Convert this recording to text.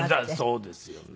そうですよね。